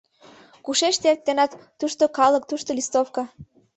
Кушеч тый эртенат, тушто — калык, тушто листовка!